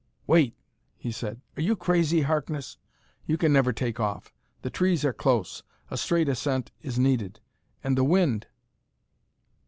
"Wait," he said. "Are you crazy, Harkness? You can never take off; the trees are close; a straight ascent is needed. And the wind